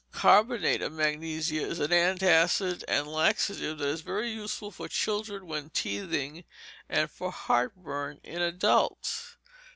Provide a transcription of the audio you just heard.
Carbonate of magnesia is an antacid and laxative, and is very useful for children when teething, and for heartburn in adults.